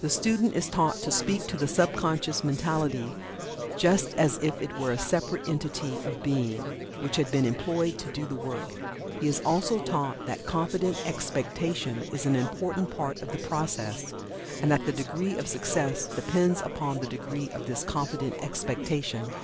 The student is taught to speak to the sub conscious mentality just as if it were a separate entity of being, which had been employed to do the work. He is also taught that confident expectation is an important part of the process, and that the degree of success depends upon the degree of this confident expectation.